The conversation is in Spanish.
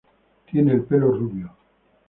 Tiene el pelo rubio.